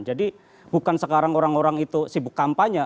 jadi bukan sekarang orang orang itu sibuk kampanye